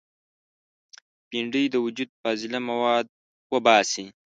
بېنډۍ د وجود فاضله مواد وباسي